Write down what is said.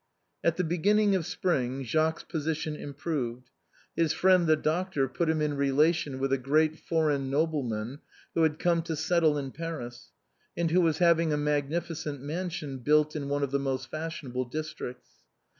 At the beginning of spring, Jacques's position improved. His friend the doctor put him in relation with a great foreign nobleman who had come to settle in Paris, and who was having a magnificent mansion built in one of the most fashionable districts.